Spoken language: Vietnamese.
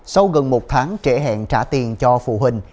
sau gần một tháng trễ hẹn trả tiền cho phụ huynh